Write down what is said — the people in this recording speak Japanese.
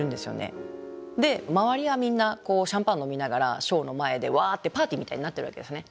で周りはみんなシャンパン飲みながらショーの前でワーってパーティーみたいになってるわけですね。